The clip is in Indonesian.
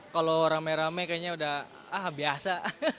kalau rame rame kayaknya udah ah biasa